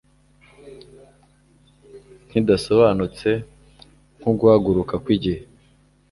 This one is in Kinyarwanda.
Nkidasobanutse nkuguhaguruka kwigihe